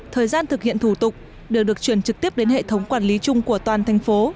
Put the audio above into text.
thời gian thực hiện thủ tục đều được chuyển trực tiếp đến hệ thống quản lý chung của toàn thành phố